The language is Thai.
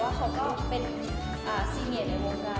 เขาก็ก็เป็นสินิยมในวงการ